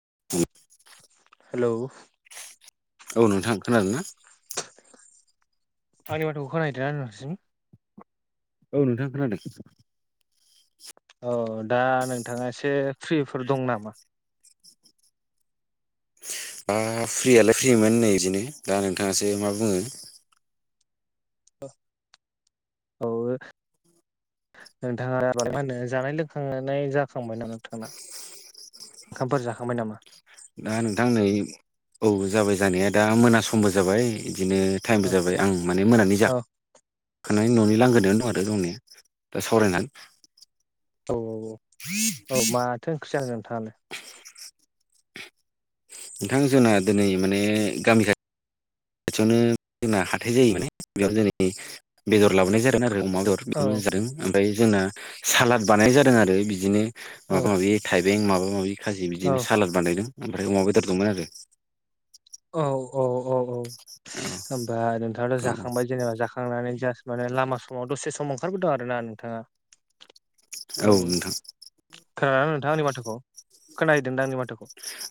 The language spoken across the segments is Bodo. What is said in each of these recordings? [inaudible] [unintelligible] हेलौ औ नोंथां खोनादों ना? आनि माथोखौ खोना होयदोंना नोंनिसिम? औ नोंथां खोनादों औ दा नोंथाङा एसे फ्रिफोर दं नामा? दा फ्रियालाय फ्रिमोन नै बिदिनो दा नोंथाङासो मा बुङो? औ नोंथाङा मा होनो जानाय लोंखांनाय जाखांबायना नामा नोंथांना ओंखामफोर जाखांबाय नामा? दा नोंथां नै औ जाबाय जानाया दा मोना समबो जाबाय बिदिनो टाइमबो औ जाबाय आं माने मोनानि जाख औ खांनायनि उनाव न'नि लांगोनायाव दं आरो दंनाया दा सावरायनानै औ- औ -औ -औ माथो ओंख्रि जाखो नोंथाङा? नोंथां जोंना दिनै माने गामि खा खाथियावनो जोंना हाथाय जायो माने बेयावनो दिनै बेदर लाबोनाय जादों आरो अमा बेदर औ बेखौनो जादों ओमफ्राय जोंना सालाद बानायनाय जादों आरो बिदिनो औ माबा माबि थाइबें माबा माबि खाजि बिदिनो सालाद बानायदों ओमफ्राय अमा बेदर दंमोन आरो औ- औ- औ- औ औ होनोमबा नोंथाङाथ' औ जाखांबाय जेनेबा जाखांनानै माने लामा समाव दसे समाव ओंखारबोदों आरोना नोंथाङा? औ नोंथां खोनादों ना नोंथांङा आंनि बाथ'खौ खोना हैदों दां आंनि बाथ्रा खौ?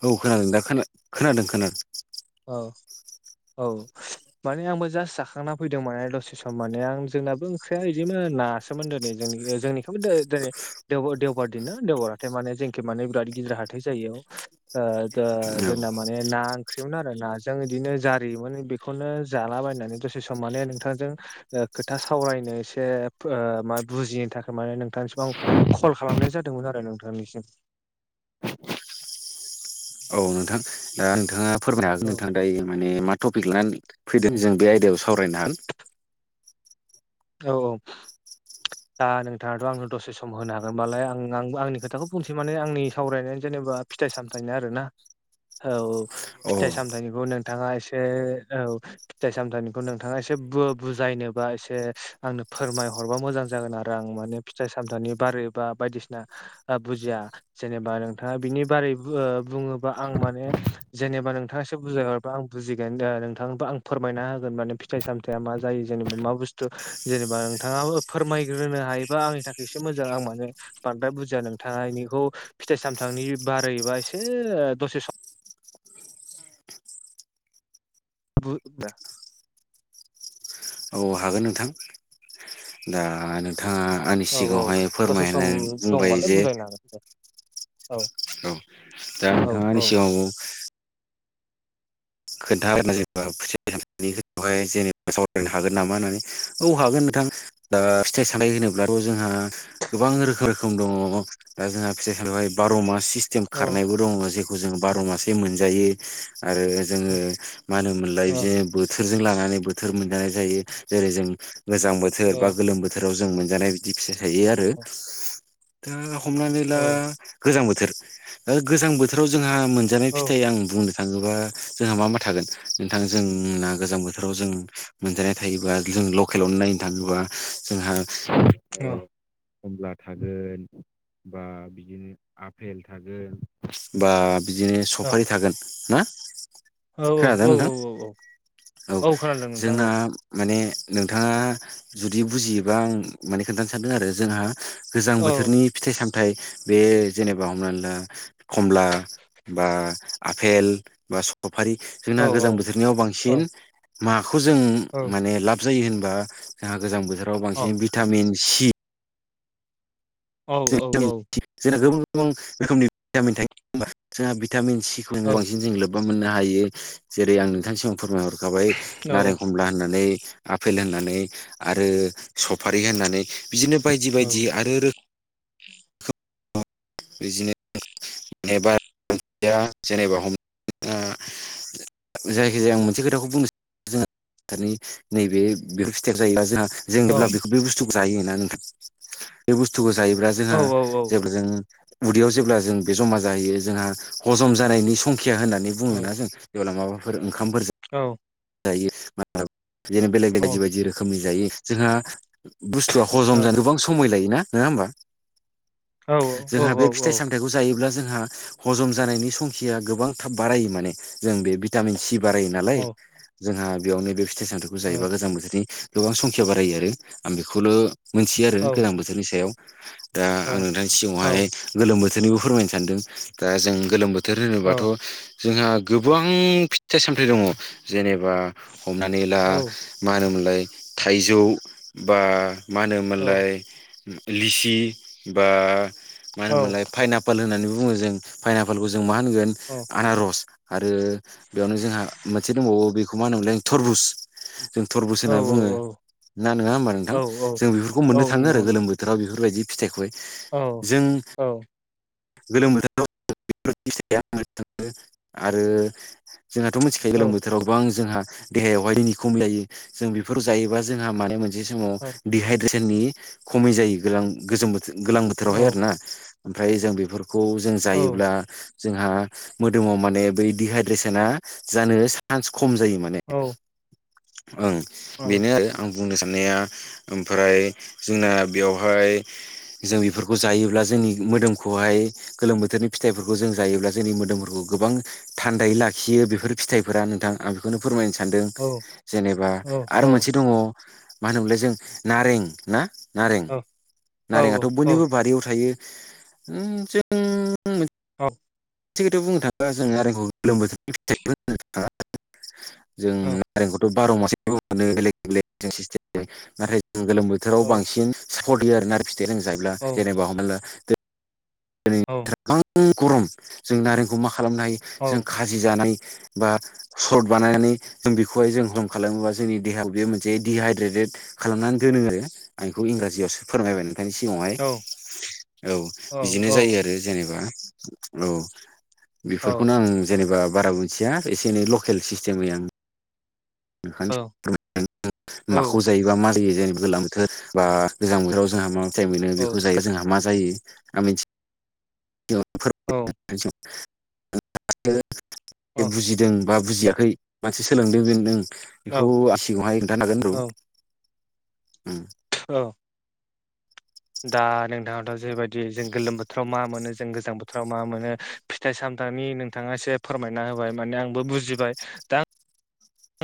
औ खोनादों दा खोनादों- खोनादों औ औ माने आंबो जास्ट जाखांना फैदों माने दसे सम माने आं जोंनाबो ओंख्रिया बिदिमोन ना सोमोन दिनै जोंनि जोंनिखौै दिनै देवबार दिनना देवबारा माने जोंखि माने बिराद गिदिर हाथाय जायो ओ दो औ जोंना माने ना ओंख्रि मोन आरो नाजों बिदिनो जारियोमोन बेखौनो जालाबायनानै दसे सम माने नोंथांजों ओ खोथा सावरायनो सो बुजिनो थाखाय माने नोंथांनिसिम आं कल खालामनाय जादोंमोन आरो नोंथांनिसिम औ नोंथां दा नोंथाङा फोरमायनो हागोन औ नोंथाङा दायो माने मा टपिक लानानै फैदों जों बे आयदायाव सावरायनो हागोन औ औ दा नोंथाङाथ' आंनो दसे सम होनो हागोनबालाय आं आं आंनि खोथाखौ बुंसै माने आंनि सावरायनाय जेन जेनेबा फिथाइ सामथायनि आरो ना औ अ फिथाइ सामथायनिखौ नोंथाङा एसे औ फिथाइ सामथाइनिखौ नोंथाङा एसे बुजायनोबा एसे आंनो फोरमायहरबा मोजां जागोन आरो आं माने फिथाइ सामथाइनि बारै बा बायदिसिना ओ बुजिया जेनेबा नोंथाङा बिनि बारै ओ बुङोबा आं माने जेनेबा नोंथाङो एसे बु जाय हरबा आं बुजिगोन दा नोंथांखौ आं फोरमायना होगोन माने फिथाइ सामथाया मा जायो जेनेबा मा बुस्थु जेनेबा नोंथाङाबो फोरमायग्रोनो हायोबा आंनि थाखाय एसे मोजां आं माने बांद्राय बुजिया नों थां इनिखौ फिथाइ सामथामनि बारैबा एसे दसे सम [inaudible] [unintelligible] ह द [unintelligible] औ हागोन नोंथां दा नों नोंथाङा आंनि औ सिगाङावहाय दसे सम फोरमायनानै बुंबाय दंबालाय जे बुजायनो हागोन दे औ औ दा औ नोथाङा औ आंनि सिगाङाव [unintelligible] जेनेबा सावरायनो हागोन नामा होननानै औ हागोन नोंथां दा फिथाइ सामथाइ होनोब्लाथ' जोंहा गोबां रोखोम रोखोम दङ दा जोंहा फिथाइ सामथाइ बेवहाय बार' मास सिस्टेम औ खारनायबो दङ जेखौ जों बार' मासेै मोनजायो आरो जोङो मा होनोमोनलाय औ बिदिनो बोथोरजों लानानै बोथोर मोनजानाय जायो जेरै जों गोजां बोथोर औ बा गोलोम बोथोराव जों मोनजानाय बिदि फिथाइ थायो आरो दा हमनानै ला औ गोजां बोथोर गोजां बोथोराव जोंहा मोनजानाय औ फिथाइ आं बुंनो थाङोबा जोंहा मा मा थागोन नोंथां जोंना गोजां बोथोराव जों मोनजानाय थायोबा जों लकेलावनो नायनो थाङोबा जोंहा औ। खमला थागोन बा बिदिनो आपेल थागोन बा बिदिनो सफारि थागोन ना? औ खोनादों नोंथां औ औ खोनादों नोंथां औ जोंना माने नोंथाङा जुदि बुजियोबा आं माने खोन्थानो सानदों आरो जोंहा गोजां औ बोथोरनि फिथाइ साम थाइ बे जेनोबा हमनानै ला कमला बा आपेल बा सफारि औ जोंना औ गोजां बोथोरनियाव औ बांसिन माखौ जों औ माने लाब जायो होनबा जोंहा गोजां बोथोराव औ बांसिन भिटामिन सि औ औ औ जोंना गोबां गोबां रोखोमनि भिटामिन थायोबा जोंहा भिटामिन औ सिखौ औ बांसिन जों लोब्बा मोननो हायो जेरै आं नोंथांनि सिगाङाव फोरमायहरखाबाय नारें खमला होननानै आफेल होननानै आरो सफारि होननानै बिदिनो बायदि औ बायदि आरो रो बिदिनो जेनेबाया जेनेबा हम जायखिजाया आं मोनसे खोथाखौ बुंनो सानो जोङो दानि नैबे बेखौ फिथाइखौ जायोबा जोंहा जों जेब्ला बेखौ बे बुस्थुखौ जायोना नोंथां बे बुस्थुखौ जायोब्ला जोंहा जेब्ला जों उदैयाव जेब्ला जों बे ज'मा जाहैयो जोंहा हजम जानायनि सं खिया होननानै बुङोना जों जेब्ला माबाफोर ओंखामफोर औ। जायोनो बेलेग बायदि बायदि रोखोमनि जायो जोंहा बुस्थुआ हजम जानो गोबां समाय लायोना नङा होमबा? जोंहा बे फिथाइ सामथायाइखौ जायोब्ला जों हा हजम जानायनि संखिया गोबां थाब बारायो माने जों बे भिटामिन सि बारायो नालाय जोंहा बेयावनो बे फिथाइ सामथाइखौ जायोबा गोजां बोथोरनि गोबां संखिया बारायो आरो आं बेखौल' मोनथियो आरो गोजां बोथोरनि सायाव दा आं नोंथांनि सिगावहाय गोलोम बोथोरनिबो फोरमायनो सानदों दा जों गोलोम बो थोर होनोबाथ' जोंहा गोबां फिथाइ सामथाइ दङ जेनेबा हमनानै ला मा होनोमोनलाय थाइजौ बा मा होनोमोनलाय लिसि बा मा होनोमोनलाय फाइनाप पल होननानै बुङो जों फाइनापालखौ जों मा होनगोन आनारस आरो बेयावनो जोंहा मोनसे दंबावो बेखौ मा होनोमोनलाय थरबुस जों थरबुस होनना बुङो ना नङा होमबा नोंथां जों बेफोरखौ मोननो थाङो आरो नंगौ नंगौ गोलोम बोथोराव बेफोरबायदि फिथाइखौहाय औ जों औ‌ [unintelligible] आरो जोंहाथ' मिथिखायो गोलोम औ बोथोराव गोबां जोंहा देहायावहाय दिन नि खमलायो जों बेफोर जायोबा जोंहा माने मोनसे समाव औ दिहाइद्रेसन सेननि खमै जायो गोलां गोजों बोथो गोलां बोथोरावहाय औ आरोना ओमफ्राय जों बेफोर खौ जों औ जायोब्ला जोंहा मोदोमाव माने बै डहाइद्रेसना जानो सान्स खम जायो माने। औ ओं औ बेनो बुंनो साननाया ओमफ्राय जोंना बेयावहाय जों बेफोर खौ जायोब्ला जोंनि मोदोमखौहाय गोलोम बोथोरनि फिथाइफोरखौ जों जायोब्ला जोंनि मोदोमफोरखौ गोबां थान्दायै लाखियो बेफोर फिथाइफोरा नोंथां आं बेखौनो फोरमायनो सान्दों जेनेबा औ आरो मोनसे दङ मा होनोमोनलाय जों नारें ना। नारें औ नारें आथ' औ बयनिबो बारियाव थायो औ मोनसे खोथायाव बुंनो थाङोबा जों नारेंखौ गोलोम बोथोरनि फिथाइबो होननो थाङा जों नारेंखौथ' बार' मास [inaudible] मोनो बेलेग बेलेग सिस्टमजों नाथाय ओं गोलोम बोथोराव बांसिन सापर्ट होयो आरोना नारें फिथाइया जों जायोब्ला जेनेबा हमना ला औ [inaudible] गरम जों नारेंखौ मा खालामनो हायो जों खाजि जानाय बा सर्ट बानायनानै जों बेखौहाय जों हम खालामोबा जोंनि देहायाव बेयो मोनसे डिहाइड्रेट खालामनानै दोनो आरो आं बेखौ इंराजियावसो फोरमायबाय नों थांनि सिगाङावहाय औ बिदिनो जायो आरो जों एबा औ बेफोरखौनो आं जेनेबा बारा मिथिया एसे एनै लकेल सिस्टेमै आं [inaudible] माखौ जायोबा मा जायो जेन गोलां बोथोर बा गोजां बोथोराव जोंहा मा फिथाइ मोनो बेखौ जायो जोंहा मा जायो आं मिथि [unintelligible] बुजिदों बा बुजिया खै मानसि सोलोंदों [inaudible] औ बेखौ आसिगाङावहाय खोनथानो हागोन [unintelligible] उम औ‌ दा नोंथाङथ' जेरैबायदि जों गोलोम बोथोराव मा मोनो जों गोजां बोथोराव मा मोनो फिथाइ सामथाइनि नोंथाङा एसे फोरमायना होबाय माने आंबो बुजिबाय [inaudible]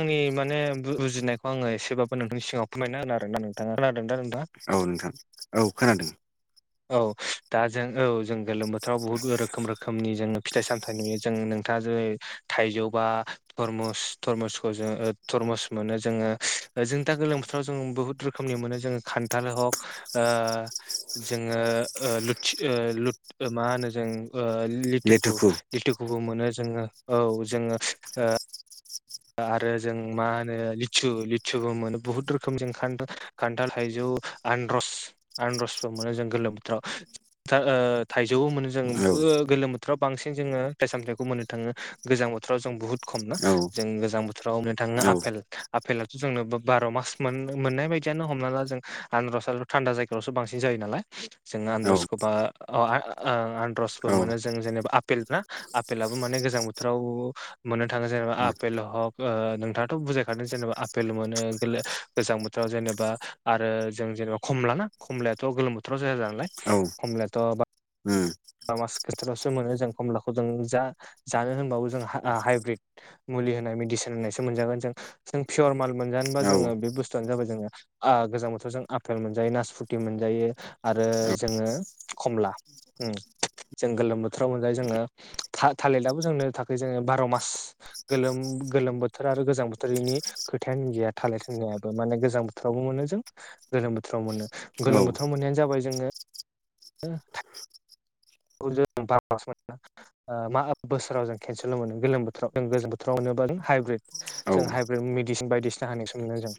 आंनि माने बु बुजिनायखौ आङो एसेबाबो नोंथांनि सिगाङाव फोरमायना होनो आरोना नोंथाङा खोनादों दा नों औ नोंथां औ खोनादों। औ दा जों औ जों गोलोम बोथोराव बुहुत रोखोम रोखोमनि जोङो फिथाइ सामथायाइ नुयो जों नोंथाङा जेरै थाइजौ थरमुस थरमसखौ जों ओ थरमस मोनो जोङो ओ जों दा गोलां बोथोराव जों बुहुत रोखोमनि मोनो जों खान थाल हग ओ जोङो ओ लुथि ओ लुथ मा होनो जों ओ लिथुखु लेथुखु लिथुखुबो मोनो जोङो औ जोङो ओ आरो जों मा होनो लिसु लिसुबो मोनो बुहुत रोखोम जों [inaudible] खान्थाल थाइजौ [inaudible] आनरस आनरसबो मोनो जों गोलोम बोथोराव [unintelligible] थाइजौबो मोनो जों औ बो गोलोम बोथोराव बांसिन जोङो फाइ सामथथायखौ मोननो थाङो गोजां बोथोराव जों बुहुत खम ना औ जों गोजां बोथोरावनो थाङो औ आपेल फेलाथ' जोंनोबो बार' मास मोननो मोननाय बायदियानो हमना ला जों आनारस थान्दा जायगायावसो बांसिन जायो ना लानाय जोंङो औ आनारसखौ बा ओ आनद्रसबो औ मोनो जों जेनेबा आपेल ना आपेलाबो माने गोजां बोथोराव मोननो थाङो जेनेबा आ उम हग ओ नोंथाङाथ' बुजायखादों जेनेबा आपेल मोनो गोले गोजां बोथोराव जेनेबा आरो जों जेनेबा खमला ना खमलायाथ' गोलोम बोथोराव जाया नालाय औ खमलायाथ' बा [inaudible] मास खस्टारावसो मोनो जों खमलाखौ जों जा जानो होनबाबो जों हा आ हाइब्रिद मोन मुलि होनाय मिदिसिन होनायसो मोनजागोन जों पियर माल मोनजानोबा जोंङो बे बुसथुआनो जाबाय जोंङो आग गोजां बोथोर जों आफेल मोनजायो नासफुथि मोनजायो आरो जोङो खमला ओम जों गोलोम बोथोराव मोनजायो जोङो था थालिदाबो जोंनो थाखाय जोङो बार' मास गोलोम गोलोम बोथोर आरो गोजां बोथोरनि खोथायानो गैया थालिर थिनायाबो माने गोजां बोथोरावबो मोनो जों गोलोम बोथोराव मोनो गोलोम बोथोराव मोननायानो जाबाय जोङो जों [unintelligible] मा बोसोराव जों केनसेल मोनो गोलोम बोथोराव जों गोजां बोथोराव मोनो हाइब्रिद औ जों हाइब्रिद मेडिसिन बायदिसिना होनायखौसो मोनो जों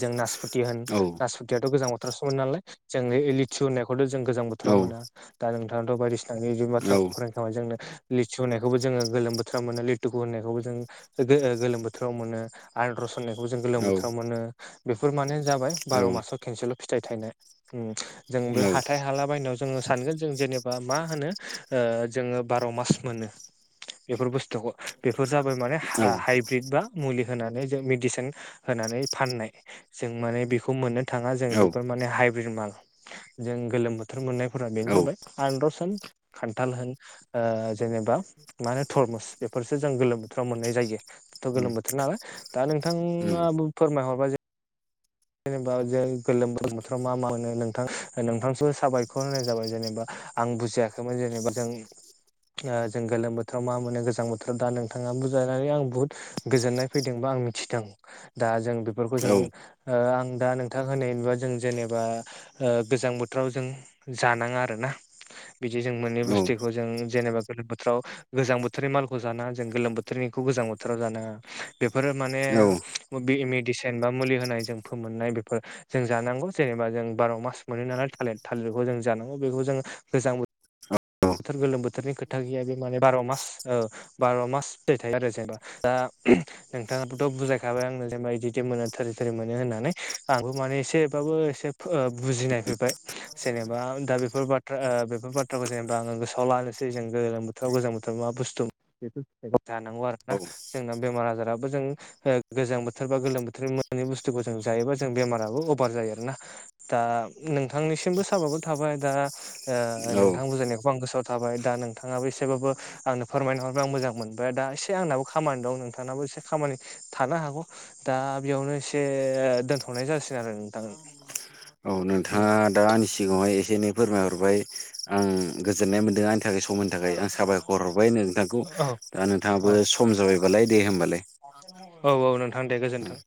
जों नासपुथि होन औ औ औ नासपुथियाथ' गोजां बोथोरावसो मोनो नालाय जों लिथसु होननायखौथ' जों गोजां बोथोराव मोना। दा नोंथांङाथ' बायदिसिना [unintelligible] औ बाथ्राखौ फोरमायखाबाय जोंनो लिथसु होनायखौबो जोङो गोलोम बोथोर मोनो लिरथु गु होननायखौबो जों गोलोम बोथोराव मोनो आनारस होननायखौबो जों गोलोम औ बोथोराव मोनो बेफोर जाबाय बार' उम मासाव खनसेल' फिथाइ थायनाय जों बे हाथाय हाला बायनायाव जों सानगोन जों जेनेबा मा होनो ओ जोङो बार' मास मोनो। बेफोर बुस्थुखौ बेफोर जाबाय मानि हा-हाइब्रिद बा मुलि होनानै जों मेडिसिन होनानै फाननाय जों माने बेखौ मोननो थाङा जों बेफोर माने हाइब्रिद माल जों गोलोम बोथोर मोननाय फोरा बेनो जाबाय आनरस होन, खान्थाल होन, ओ जेनेबा मा होन थरमुस फोरसो जों गोलोम बोथोराव मोननाय जायो थ' गोलोम बोथोर नालाय दा उम नोंथाङाबो फोरमायहरबाय जे [inaudible] जेनेबा जों गोलोम बोथोराव मा मा मोनो नोंथां नोंथांखौ साबायखर होननाय जाबाय जेनेबा। आं बुजियाखैमोन जेनेबा जों ओ जों गोलोम बोथोराव मा मोनो गोजां बोथोराव दा नोंथाङा बुजायनानै आं बुहुत गोजोननाय फैदोंबा मिथिदों दा जों बेफोरखौ जों ओ आं दा नोंथां होनायबा जों जेनेबा ओ गोजां बोथोराव जों जानाङा आरो ना बिदि जों औ मोनै बुस्थुखौ जों जेनेबा गोलोम बोथोराव गोजां बोथोरनि मालखौ जानाङा जों गोलोम बोथोरनि गोजां बोथोराव जानाङा बेफोर माने औ मेदिसिन बा मुलि होनाय जों फोमोननाय बेफोर जों जानांगौ जेनेबा जों बार' मास मोनो नालाय थालिर थालिरखौ जों जानांगौ बेखौ जों जों गोजां बो थोर गोलोम बोथोरनि खोथा गैया बे माने बार' मास बार' मास फिथाइ थायो आरो जेनेबा दा नोंथाङाथ' बुजायखाबाय आंनो जेनेबा बिदि बिदि मोनो थोरै थोरै मोनो होननानै आंबो माने एसे बाबो एसे बुजिनाय फैबाय जेनबा दा बेफोर बाथ्रा ओ बेफोर बाथ्राखौ जेनेबा आङो गोसोआव लानोसै जों गोलोम बोथोराव गोजां बोथोराव मा बुस्थु बेफोरखौ जानांगौ आरो ना। औ जोंना बेमार आजाराबो जों गोजां बोथोर बा गोलोम बोथोर मोनै बुस्थुखौ जों जायोबा जों बेमाराबो अभार जायो आरोना दा नोंथांनिसिमबो सााबायगर थाबाय दा औ औ ओ नोंथां बुजायनायखौ आं गोसोआव थाबाय दा नोंथाङाबो एसेबाबो आंनो फोरमायना हरबाय आं मोजांं मोनबाय दा एसे आंनाबो खामानि दं नोंथांनाबो एसे खामानि थानो हागौ दा बेयावनो एसे दोनथ'नाय जासिगोन आरो नोंथां औ नोंथाङा दा आंनि सिगाङावहाय एसे एनै फोरमायहरबाय आं गोजोननाय मोन दों आंनि थाखाय सम होनायनि थाखाय आं साबायखर हरबाय नोंथांखौ दा नोंथाङाबो सम जाबायबालाय दे होमबालाय [inaudible] औ औ नोंथां दे गोजोन्थों।